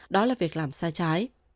đó là việc làm sai trái